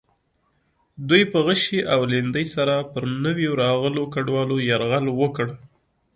دوی په غشي او لیندۍ سره پر نویو راغلو کډوالو یرغل وکړ.